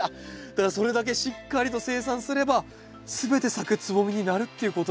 だからそれだけしっかりと生産すれば全て咲くつぼみになるっていうことなんですよね。